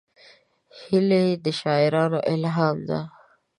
هیلۍ د شاعرانو الهام ده